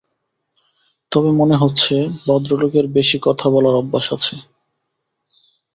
তবে মনে হচ্ছে, ভদ্রলোকের বেশি কথা বলার অভ্যাস আছে।